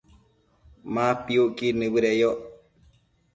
Ma piucquid nibëdeyoc